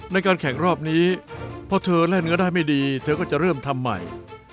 ในการแข่งรอบนี้เพราะเธอแล่นก็ได้ไม่ดีเธอก็จะเริ่มทำใหม่